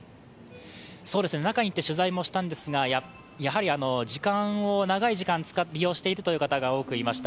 中に行って取材もしたんですが、長い時間利用しているという方が多くいました。